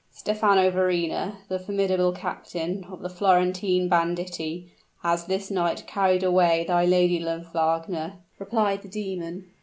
"Stephano Verrina, the formidable captain of the Florentine banditti, has this night carried away thy lady love, Wagner," replied the demon.